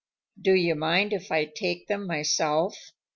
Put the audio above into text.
"Do you mind if I take them myself?"